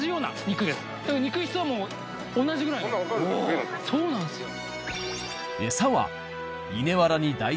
肉質はもう同じぐらいそうなんですよ